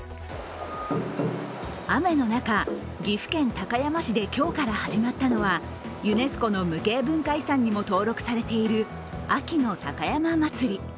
雨の中、岐阜県高山市で今日から始まったのはユネスコの無形文化遺産にも登録されている秋の高山祭。